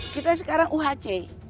kita sekarang uhc